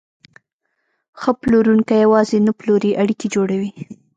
ښه پلورونکی یوازې نه پلوري، اړیکې جوړوي.